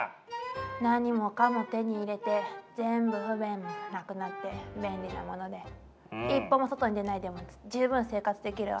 何もかも手に入れて全部不便もなくなって便利なもので一歩も外に出ないでも十分生活できるわ。